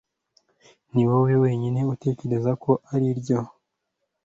Niwowe wenyine utekereza ko aribyo